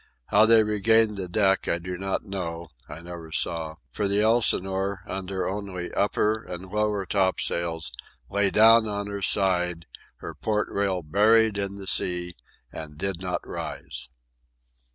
How they regained the deck I do not know, I never saw; for the Elsinore, under only upper and lower topsails, lay down on her side, her port rail buried in the sea, and did not rise.